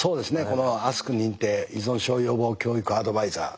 この「ＡＳＫ認定依存症予防教育アドバイザー」。